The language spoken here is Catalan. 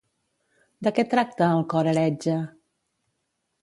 De què tracta El cor heretge?